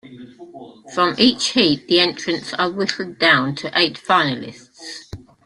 From each heat, the entrants are whittled down to eight finalists.